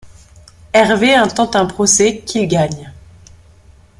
Hervey intente un procès, qu’il gagne.